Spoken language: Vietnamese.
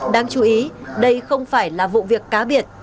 đáng chú ý đây không phải là vụ việc cá biệt